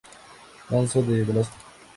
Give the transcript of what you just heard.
Manso de Velasco.